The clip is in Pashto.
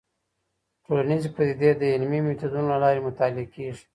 ټولنيزې پديدې د علمي ميتودونو له لارې مطالعه کيږي.